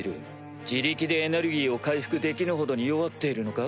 自力でエネルギーを回復できぬほどに弱っているのか？